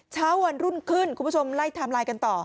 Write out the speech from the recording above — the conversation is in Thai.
เช้าวันรุ่นขึ้นคุณผู้ชมไล่ไทม์ไลน์กันต่อ